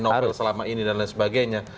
novel selama ini dan lain sebagainya